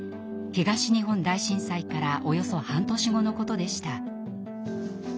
東日本大震災からおよそ半年後のことでした。